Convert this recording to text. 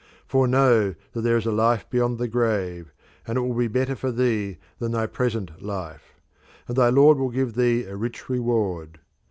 For know that there is a life beyond the grave, and it will be better for thee than thy present life; and thy Lord will give thee a rich reward.